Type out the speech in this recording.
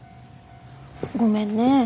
ごめんね。